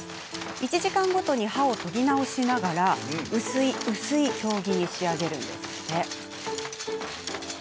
１時間ごとに刃を研ぎ直しながら薄い薄い経木に仕上げるんです。